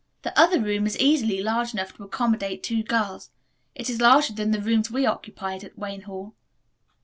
The other room is easily large enough to accommodate two girls. It is larger than the rooms we occupied at Wayne Hall."